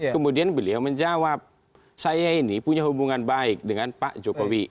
kemudian beliau menjawab saya ini punya hubungan baik dengan pak jokowi